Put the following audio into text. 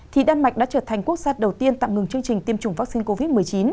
thì đan mạch đã trở thành quốc gia đầu tiên tạm ngừng chương trình tiêm chủng vaccine covid một mươi chín